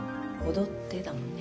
「戻って」だもんね。